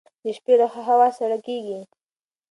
د شپې لخوا هوا سړه کیږي.